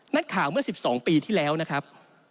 นักข่าวเมื่อ๑๒ปีที่แล้วนะครับ